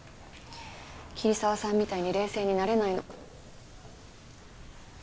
桐沢さんみたいに冷静になれないの。